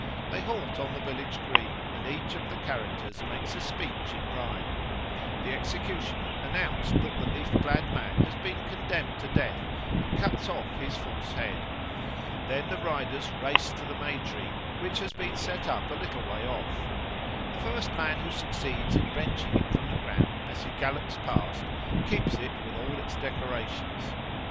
They halt on the village green, and each of the characters makes a speech in rhyme. The executioner announces that the leaf clad man has been condemned to death, and cuts off his false head. Then the riders race to the May tree, which has been set up a little way off. The first man who succeeds in wrenching it from the ground as he gallops past keeps it with all its decorations.